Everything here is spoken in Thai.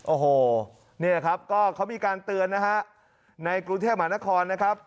โอ้โหเนี่ยครับก็เขามีการเตือนนะฮะในกรุงเทพมหานครนะครับ